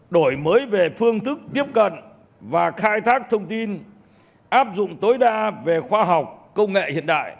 đổi mới về phương thức tiếp cận và khai thác thông tin áp dụng tối đa về khoa học công nghệ hiện đại